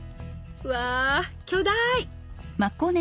うわ巨大！